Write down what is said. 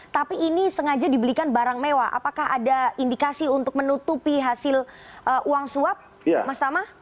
tapi ini sengaja dibelikan barang mewah apakah ada indikasi untuk menutupi hasil uang suap mas tama